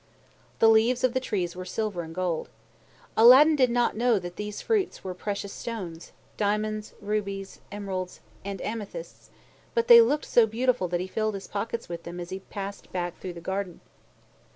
The leaves of the trees were silver and gold. Aladdin did not know that these fruits were precious stones diamonds, rubies, emeralds, and amethysts, but they looked so beautiful that he filled his pockets with them as he passed back through the garden.